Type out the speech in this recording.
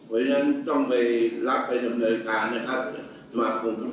เว้นนั้นต้องไปลับประดับหน่วยการมาคุณธุ์ก่อน